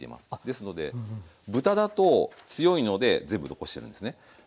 ですので豚だと強いので全部残してるんですね。